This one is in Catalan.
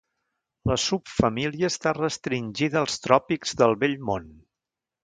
La subfamília està restringida als tròpics del Vell Món.